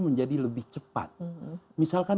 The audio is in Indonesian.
menjadi lebih cepat misalkan